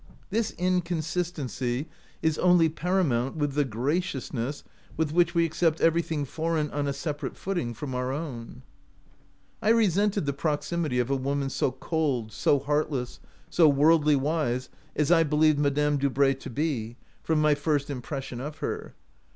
This inconsistency is only OUT OF BOHEMIA paramount with the graciousness with which we accept everything foreign on a separate footing from our own. " I resented the proximity of a woman so cold, so heartless, so worldly wise as I believed Madame Dubray to be, from my first impres sion of her.